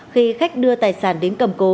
khi khách đưa tài sản đến cầm cố